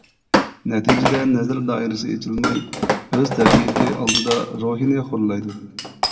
نەتىجىدە، نەزەر دائىرىسى ئېچىلماي ئۆز تەبىئىتى ئالدىدا روھىنى خورلايدۇ.